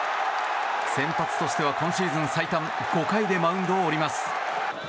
先発としては今シーズン最短５回でマウンドを降ります。